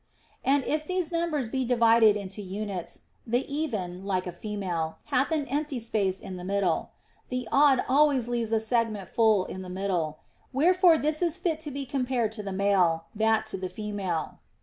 And if these numbers be divided into units, the even, like a female, hath an empty space in the middle ; the odd number always leaves a segment full in the middle, wherefore this is fit to be compared to the male, that to the female.